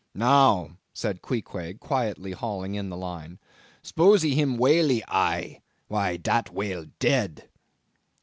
"Now," said Queequeg, quietly hauling in the line, "spos ee him whale e eye; why, dad whale dead."